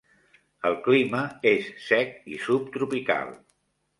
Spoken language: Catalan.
El clima és sec i subtropical.